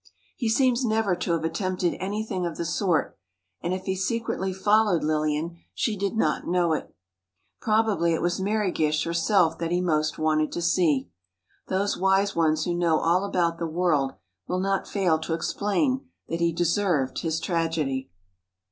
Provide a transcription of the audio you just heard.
He seems never to have attempted anything of the sort, and if he secretly followed Lillian, she did not know it. Probably it was Mary Gish herself that he most wanted to see. Those wise ones who know all about the world will not fail to explain that he deserved his tragedy....